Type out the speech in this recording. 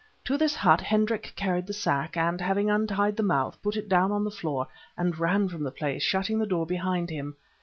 To this hut Hendrik carried the sack, and, having untied the mouth, put it down on the floor, and ran from the place, shutting the door behind him.